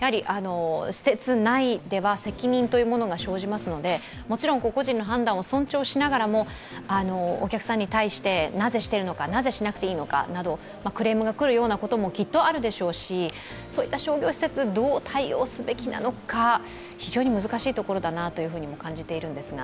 施設内では責任というものが生じますのでもちろん個人の判断を尊重しながらも、お客さんに対してなぜしているのか、なぜしなくていいのかなどクレームが来るようなこともきっとあるでしょうしそういった商業施設、どう対応すべきなのか、非常に難しいところだなと感じているのですが。